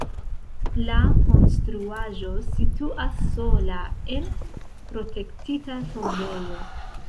La konstruaĵo situas sola en protektita tombejo.